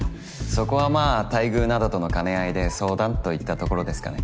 そこはまあ待遇などとの兼ね合いで相談といったところですかね。